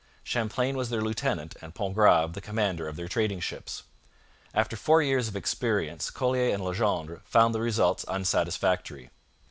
Champlain was their lieutenant and Pontgrave the commander of their trading ships. After four years of experience Collier and Legendre found the results unsatisfactory.